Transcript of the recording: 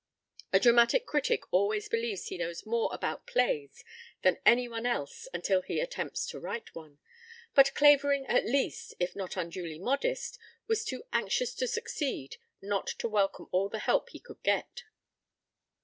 A dramatic critic always believes he knows more about plays than any one else until he attempts to write one, but Clavering, at least, if not unduly modest, was too anxious to succeed not to welcome all the help he could get.